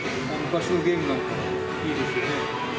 昔のゲームなんかいいですよね。